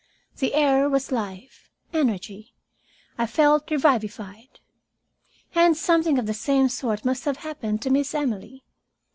The air was life, energy. I felt revivified. And something of the same sort must have happened to Miss Emily.